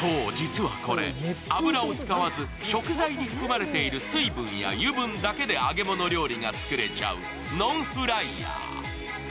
実はこれ、脂を使わず食材に含まれている水分や油分だけで揚げ物料理が作れちゃうノンフライヤー。